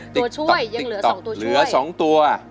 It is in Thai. ตัวช่วยยังเหลือ๒ตัวช่วย